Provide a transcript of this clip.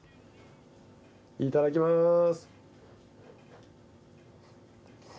いただきます。